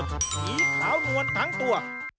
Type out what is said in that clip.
สีขาวนวลทั้งตัว